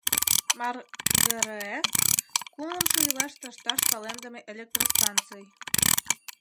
МарГРЭС — кумлымшо ийлаште ышташ палемдыме электростанций.